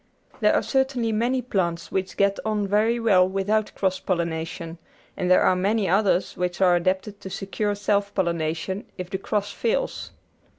There are certainly many plants which get on very well without cross pollination, and there are many others which are adapted to secure self pollination if the cross fails.